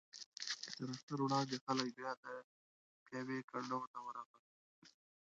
تر اختر وړاندې خلک بیا د پېوې کنډو ته ورغلل.